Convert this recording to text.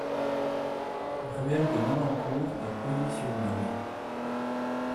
Ruelle de Nonancourt à Pouilly-sur-Meuse